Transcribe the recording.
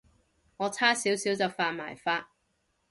我差少少就犯埋法